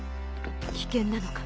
危険なのか？